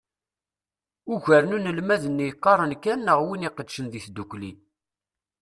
Ugar n unelmad-nni yeqqaren kan neɣ win iqeddcen deg tddukli.